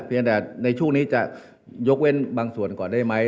แต่ในช่วงนี้จะยกเว้นบางส่วนก่อนได้ไหม